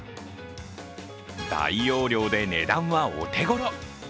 大容量で値段はお手ごろ。